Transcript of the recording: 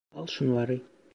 Al şunları.